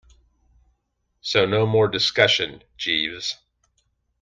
So no more discussion, Jeeves.